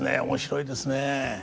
面白いですね。